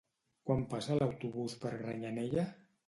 Quan passa l'autobús per Granyanella?